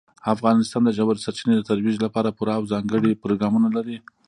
افغانستان د ژورې سرچینې د ترویج لپاره پوره او ځانګړي پروګرامونه لري.